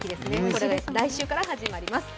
これが来週から始まります。